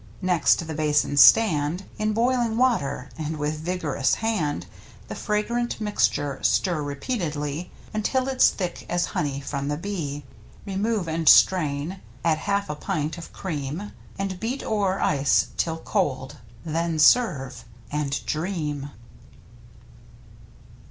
Next the basin stand In boiling water, and with vig'rous hand The fragrant mixture stir repeatedly Until it's thick as honey from the bee. Remove and strain. Add half a pint of cream. And beat o'er ice till cold. Then serve and dream!